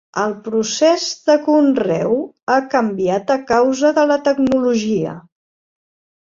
El procés de conreu ha canviat a causa de la tecnologia.